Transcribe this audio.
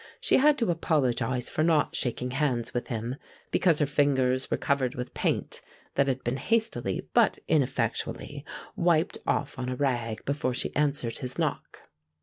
She had to apologize for not shaking hands with him, because her fingers were covered with paint that had been hastily but ineffectually wiped off on a rag before she answered his knock.